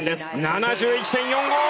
７１．４５！